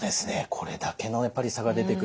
これだけのやっぱり差が出てくる。